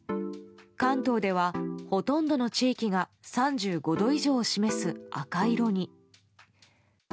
関東ではほとんどの地域が３５度以上を示す赤色に。